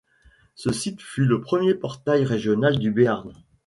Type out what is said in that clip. Ce site fut le premier portail régional du Béarn.